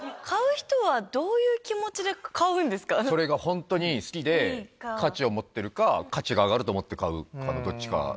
買う人はどういう気持ちで買それが本当に好きで、価値を持ってるか、価値が上がると思って買うかのどっちか。